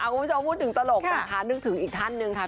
คุณผู้ชมพูดถึงตลกนะคะนึกถึงอีกท่านหนึ่งค่ะ